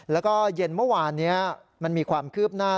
แล้วก็เย็นเมื่อวานนี้มันมีความคืบหน้า